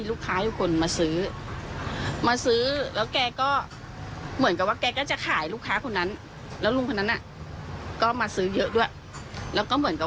นั้นแล้วลุงเขานั้นอ่ะก็มาซื้อเยอะด้วยแล้วก็เหมือนกับ